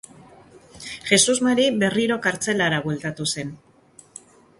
Jesus Mari berriro kartzelara bueltatu zen.